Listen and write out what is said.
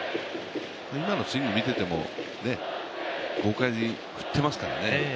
今のスイング見てても、豪快に振っていますからね。